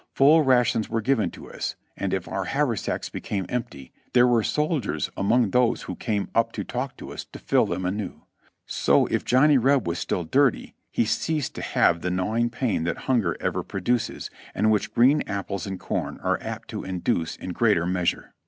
Full rations were given to us, and if our haversacks became empty there were soldiers among those who came up to talk to us, to fill them anew. So if Johnny Reb was still dirty he ceased to have the gnawing pain that hunger ever produces, and which green apples and corn are apt to induce in greater measure.